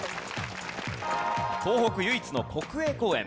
東北唯一の国営公園